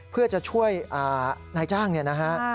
เพื่อจะช่วยนายจ้างเนี่ยนะฮะ